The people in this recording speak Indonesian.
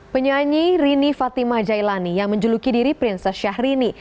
penyanyi rini fatima jailani yang menjuluki diri prinses syahrini